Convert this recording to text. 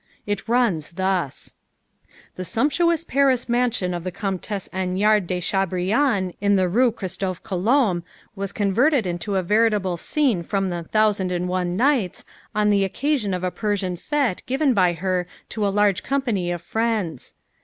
It runs thus: "The sumptuous Paris mansion of the Comtesse Aynard de Chabrillan in the Rue Christophe Colomb was converted into a veritable scene from the 'Thousand and One Nights' on the occasion of a Persian fête given by her to a large company of friends.